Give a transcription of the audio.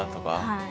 はい。